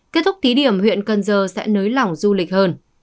kết thúc thí điểm huyện cần giờ sẽ nới lỏng du lịch hơn